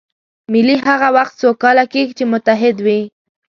ملت هغه وخت سوکاله کېږي چې متحد وي.